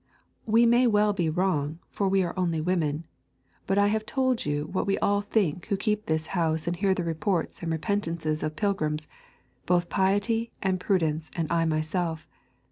We may well be wrong, for we are only women, but I have told you what we all think who keep this house and hear the reports and repentances of pilgrims, both Piety and Prudence and I myself.